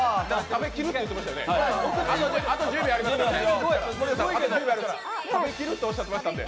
食べきるって言ってましたよね。